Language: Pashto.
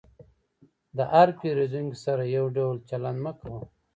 د هر پیرودونکي سره یو ډول چلند مه کوه.